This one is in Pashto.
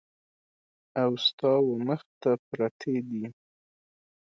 او ستا ومخ ته پرتې دي !